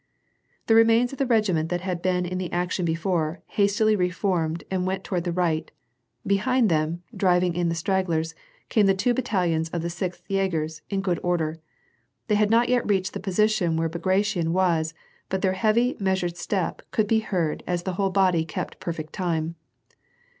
The remains of the regiment that had been in the action be fore, hastily reformed and went toward the right ; behind them, driving in the stragglers, came the two battalions of the Sixth Jagers, in good order. They had not yet reached the position where Bagration was, but their heavy, measured step could be heard, as the whole body kept perfect time.